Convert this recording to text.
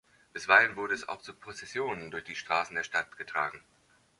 Bisweilen wurde es auch zu Prozessionen durch die Straßen der Stadt getragen.